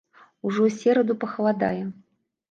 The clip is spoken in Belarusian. Ужо ў сераду пахаладае.